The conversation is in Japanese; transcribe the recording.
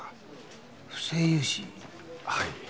はい。